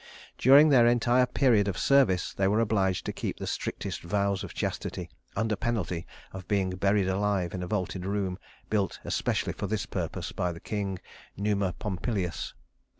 During their entire period of service, they were obliged to keep the strictest vows of chastity, under penalty of being buried alive in a vaulted room, built especially for this purpose by the king, Numa Pompilius.